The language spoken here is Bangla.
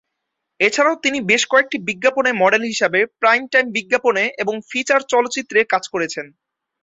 এছাড়াও তিনি বেশ কয়েকটি বিজ্ঞাপনে মডেল হিসেবে, প্রাইম টাইম বিজ্ঞাপনে এবং ফিচার চলচ্চিত্রে কাজ করেছেন।